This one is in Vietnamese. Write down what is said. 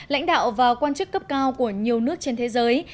lãnh đạo và quan chức cấp cao của nhiều nước trên thế giới